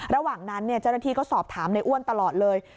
ระหว่างนั้นเจ้าหน้าที่ก็สอบถามในอ้วนตลอดเลย